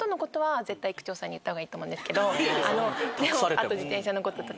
あと自転車の事とか。